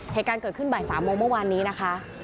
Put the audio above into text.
เหตุการณ์เกิดขึ้นบ่าย๓โมงเมื่อวานนี้นะคะ